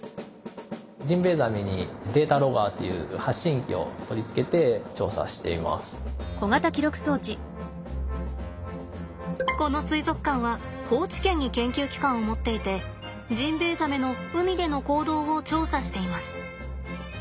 ジンベエザメにこの水族館は高知県に研究機関を持っていてジンベエザメの海での行動を調査しています。